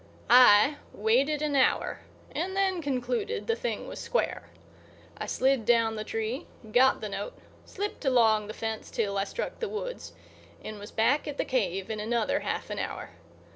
I waited an hour and then concluded the thing was square. I slid down the tree, got the note, slipped along the fence till I struck the woods, and was back at the cave in another half an hour.